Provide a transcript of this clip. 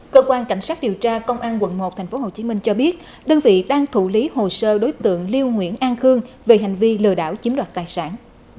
cơ quan cảnh sát điều tra công an quận một thành phố hồ chí minh cho biết đơn vị đang thụ lý hồ sơ đối tượng liêu nguyễn an khương về hành vi lừa đảo chiếm đoạt tài sản